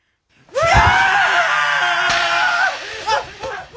・うわ！